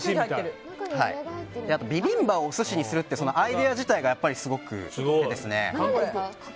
ビビンバをお寿司にするというアイデア自体がすごく。